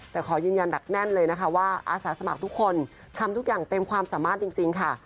แต่ขอยืนยันหนักแน่นเลยนะคะว่าอาสาสมัครทุกคนทำทุกอย่างเต็มความสามารถจริงค่ะ